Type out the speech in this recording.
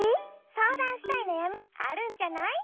そうだんしたいなやみあるんじゃない？